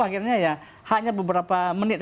akhirnya ya hanya beberapa menit